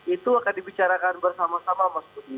itu akan dibicarakan bersama sama mas budi